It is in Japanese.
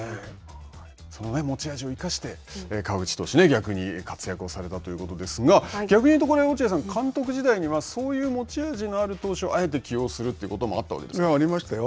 持ち味を生かして川口投手、逆に活躍をされたということですが、逆に言うと落合さん、監督時代にはそういう持ち味のある投手をあえて起用するということもあっありましたよ。